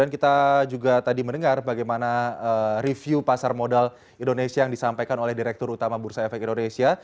kita juga tadi mendengar bagaimana review pasar modal indonesia yang disampaikan oleh direktur utama bursa efek indonesia